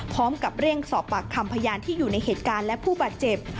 พร้อมกับเร่งสอบปากคำพยานที่อยู่ในเหตุการณ์และผู้บาดเจ็บ